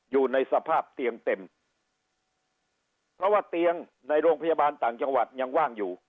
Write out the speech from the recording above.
อยู่ในสภาพเตียงเต็มเพราะว่าเตียงในโรงพยาบาลต่างจังหวัดยังว่างอยู่